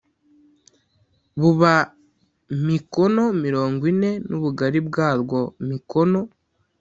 buba mikono mirongo ine n ubugari bwarwo mikono